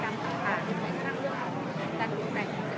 เขาบอกว่ามีการสะท้อนเรื่องของปัญหาปากท้องของประชาชนที่ได้รับผลประทบแต่ขณะนี้นะคะ